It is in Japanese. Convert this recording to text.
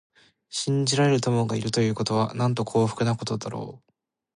信じられる友がいるということは、なんと幸福なことだろう。